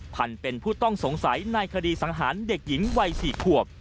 พันธุ์เป็นผู้ต้องสงสัยในคดีสังหารเด็กหญิงวัย๔ขวบ